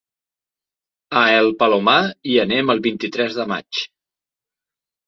A el Palomar hi anem el vint-i-tres de maig.